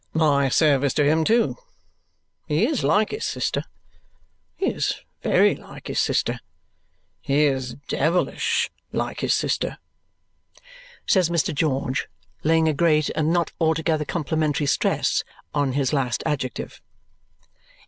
"My service to him, too! He is like his sister. He is very like his sister. He is devilish like his sister," says Mr. George, laying a great and not altogether complimentary stress on his last adjective.